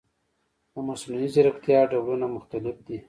د مصنوعي ځیرکتیا ډولونه مختلف دي.